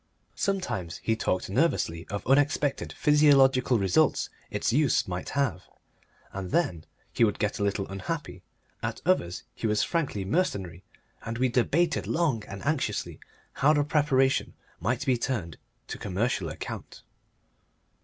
Sometimes he talked nervously of unexpected physiological results its use might have, and then he would get a little unhappy; at others he was frankly mercenary, and we debated long and anxiously how the preparation might be turned to commercial account.